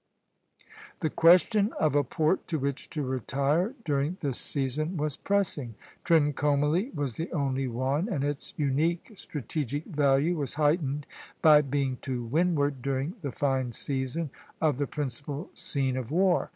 The question of a port to which to retire during this season was pressing. Trincomalee was the only one, and its unique strategic value was heightened by being to windward, during the fine season, of the principal scene of war.